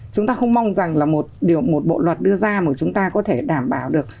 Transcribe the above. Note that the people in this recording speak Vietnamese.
chúng ta không mong rằng là một bộ luật đưa ra mà chúng ta có thể đảm bảo được